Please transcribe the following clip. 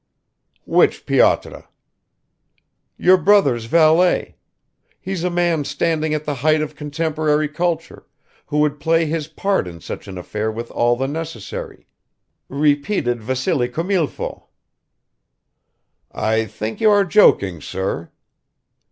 "Which Pyotr?" "Your brother's valet. He's a man standing at the height of contemporary culture, who would play his part in such an affair with all the necessary ; repeated Vassily comilfo." "I think you are joking, sir."